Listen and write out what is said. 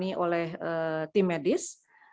ditangani oleh tim medis